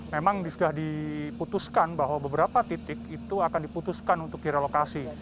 memang sudah diputuskan bahwa beberapa titik itu akan diputuskan untuk direlokasi